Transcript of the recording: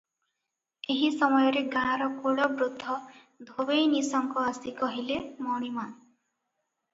ଏହି ସମୟରେ ଗାଁର କୁଳବୃଦ୍ଧ ଧୋବେଇ ନିଶଙ୍କ ଆସି କହିଲେ "ମଣିମା!